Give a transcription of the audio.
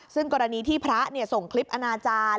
ซึ่งกรณีที่พระส่งคลิปอนาจารย์